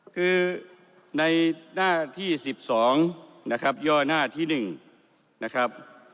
คือในหน้าที่สิบสองนะครับย่อหน้าที่หนึ่งนะครับ